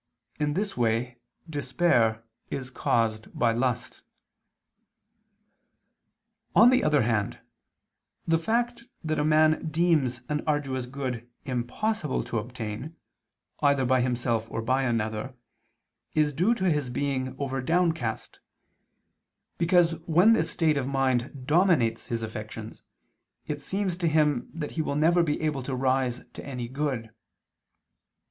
In this way despair is caused by lust. On the other hand, the fact that a man deems an arduous good impossible to obtain, either by himself or by another, is due to his being over downcast, because when this state of mind dominates his affections, it seems to him that he will never be able to rise to any good.